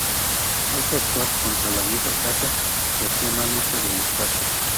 Hay que actuar contra la vieja casa que hacía mal uso del espacio.